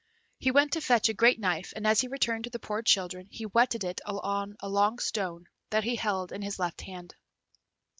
He went to fetch a great knife, and as he returned to the poor children, he whetted it on a long stone that he held in his left hand.